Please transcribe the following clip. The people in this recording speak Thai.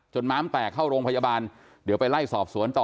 ม้ามแตกเข้าโรงพยาบาลเดี๋ยวไปไล่สอบสวนต่อ